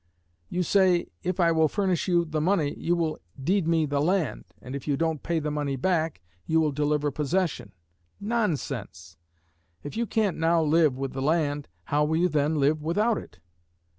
You say, if I will furnish you the money, you will deed me the land, and if you don't pay the money back, you will deliver possession. Nonsense! If you can't now live with the land, how will you then live without it?